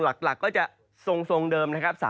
หลักก็จะทรงเดิมนะครับ